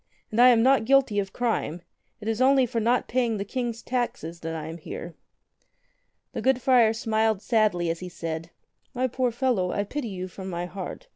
And I am not guilty of crime. It is only for not paying the King's taxes I am here." The good friar smiled sadly as he said: "My poor fellow, I pity you from my heart.